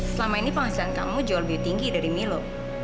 selama ini penghasilan kamu jual biu tinggi dari milo